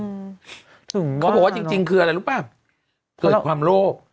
เขาบอกว่าจริงจริงคืออะไรรู้ป่ะเกิดความโลภ